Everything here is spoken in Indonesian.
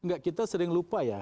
enggak kita sering lupa ya